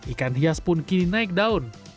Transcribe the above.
ikan hias pun kini naik daun